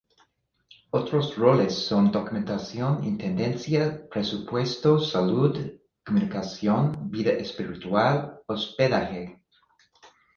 Otros roles son: documentación, intendencia, presupuesto, salud, comunicación, vida espiritual, hospedaje.